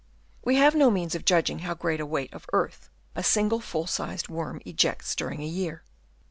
We have no means of judging how great a weight of earth a single full sized worm ejects during a year.